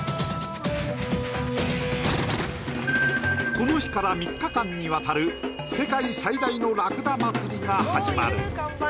この日から３日間にわたる世界最大のラクダ祭りが始まる